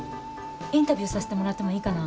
インタビューさせてもらってもいいかな？